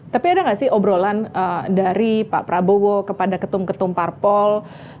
tapi ada nggak sih obrolan dari pak prabowo kepada ketum ketum parpol